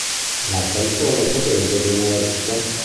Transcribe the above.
La canzone è potente ed energica.